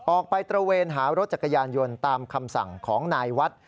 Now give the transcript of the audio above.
ตระเวนหารถจักรยานยนต์ตามคำสั่งของนายวัด